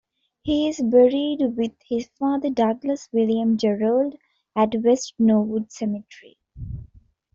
He is buried with his father Douglas William Jerrold at West Norwood Cemetery.